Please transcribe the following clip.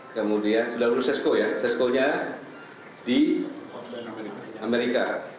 kemudian sudah lulus sesko ya sesko nya di amerika